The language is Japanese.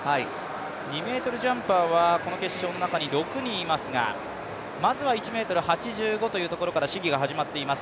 ２ｍジャンパーはこの決勝の中に６人いますがまずは１ｍ８５から試技が始まっています。